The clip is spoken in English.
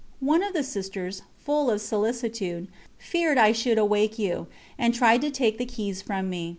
One of the Sisters, full of solicitude, feared I should awake you, and tried to take the keys from me.